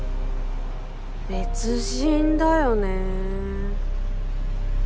別人だよね。